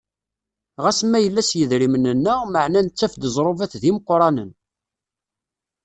Ɣas ma yella s yidrimen-nneɣ, meɛna nettaf-d ẓẓrubat d imeqqranen.